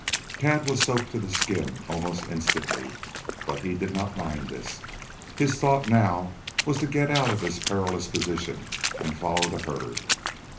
Tad was soaked to the skin almost instantly. But he did not mind this. His thought, now, was to get out of his perilous position and follow the herd.